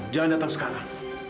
jangan datang sekarang